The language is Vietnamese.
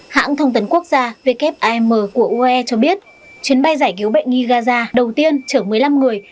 hãng thông tấn quốc gia wim của ue cho biết chuyến bay giải cứu bệnh nghi gaza đầu tiên chở một mươi năm người